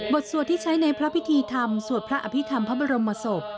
สวดที่ใช้ในพระพิธีธรรมสวดพระอภิษฐรรมพระบรมศพ